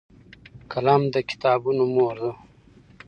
قلم د کتابونو مور دی